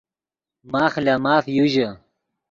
ماخ لے ماف یو ژے